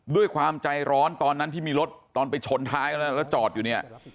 ด้วยความใจร้อนตอนนั้นที่มีรถตอนไปชนท้ายแล้วแล้วจอดอยู่เนี่ย